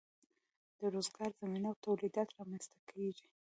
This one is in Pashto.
د روزګار زمینه او تولیدات رامینځ ته کیږي.